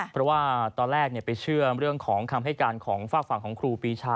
เพราะว่าตอนแรกไปเชื่อเรื่องของคำให้การของฝากฝั่งของครูปีชา